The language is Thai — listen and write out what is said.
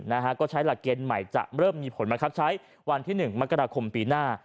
แล้วก็ใช้หลักเกณฑ์ใหม่จะเริ่มมีผลมาครับใช้วันที่๑มกราคมปีหน้า